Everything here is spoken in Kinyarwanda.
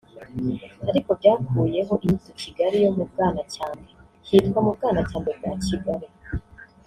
ariko byakuyeho inyito “Kigali yo mu Bwanacyambwe” hitwa “Mu Bwanacyambwe bwa Kigali”